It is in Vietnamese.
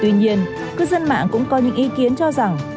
tuy nhiên cư dân mạng cũng có những ý kiến cho rằng